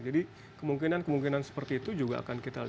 jadi kemungkinan kemungkinan seperti itu juga akan kita lakukan